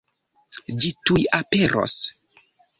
Ĝi tuj aperos.